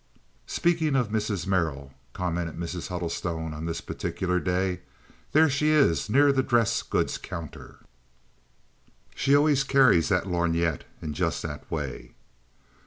"Speaking of Mrs. Merrill," commented Mrs. Huddlestone, on this particular day, "there she is—near the dress goods counter. She always carries that lorgnette in just that way."